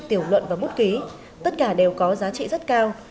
tiểu luận và bút ký tất cả đều có giá trị rất cao